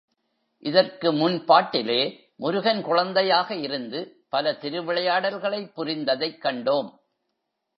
இதற்கு முன் பாட்டிலே முருகன் குழந்தையாக இருந்து பல திருவிளையாடல்களைப் புரிந்ததைக் கண்டோம்.